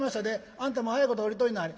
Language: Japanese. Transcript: あんたも早いこと降りといなはれ」。